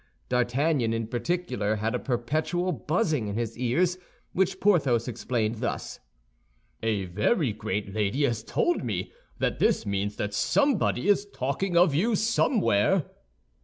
D'Artagnan, in particular, had a perpetual buzzing in his ears, which Porthos explained thus: "A very great lady has told me that this means that somebody is talking of you somewhere."